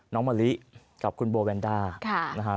น้องมะลิกับคุณโบวันด้า